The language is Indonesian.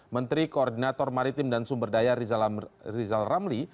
menteri koordinator maritim dan sumberdaya rizal ramli